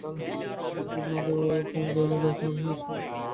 মানুষ ভোট দেওয়ার সুযোগ পেলে প্রমাণ করে দিত, নাসিম ওসমান কতটুকু জনপ্রিয়।